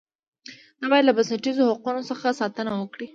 دا باید له بنسټیزو حقوقو څخه ساتنه وکړي.